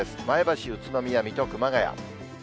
前橋、宇都宮、水戸、熊谷。